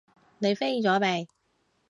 你飛咗未？